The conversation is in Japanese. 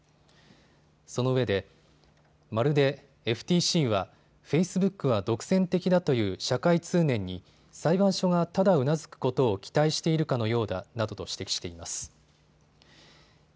そのうえでまるで、ＦＴＣはフェイスブックは独占的だという社会通念に裁判所がただうなずくことを期待しているかのようだなどと指摘しています。